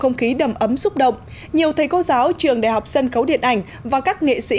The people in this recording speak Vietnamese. không khí đầm ấm xúc động nhiều thầy cô giáo trường đại học sân khấu điện ảnh và các nghệ sĩ